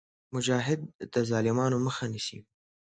مجاهد د ظالمانو مخه نیسي.